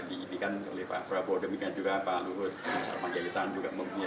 ini kan oleh pak prabowo demikian juga pak luhut pak jaitan juga